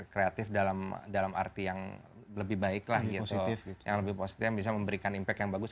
kreatif dalam dalam arti yang lebih baik lah gitu yang lebih positif bisa memberikan impact yang bagus